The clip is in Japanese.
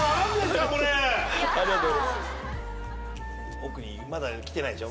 奥にまだ来てないでしょ？